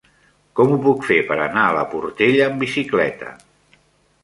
Com ho puc fer per anar a la Portella amb bicicleta?